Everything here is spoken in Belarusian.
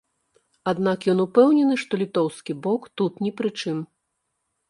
Аднак ён упэўнены, што літоўскі бок тут ні пры чым.